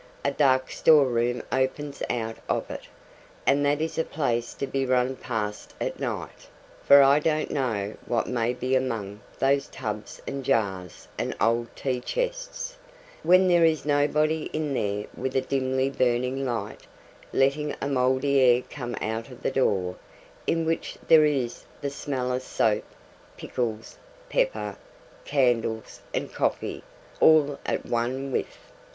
A dark store room opens out of it, and that is a place to be run past at night; for I don't know what may be among those tubs and jars and old tea chests, when there is nobody in there with a dimly burning light, letting a mouldy air come out of the door, in which there is the smell of soap, pickles, pepper, candles, and coffee, all at one whiff.